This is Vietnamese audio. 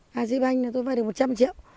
hà sĩ banh là tôi vay được một trăm linh triệu